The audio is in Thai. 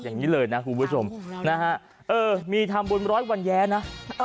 อย่างนี้เลยนะคุณผู้ชมเออมีทำบนร้อยบรรแยนะ